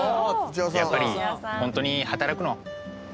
やっぱりホントに働くの？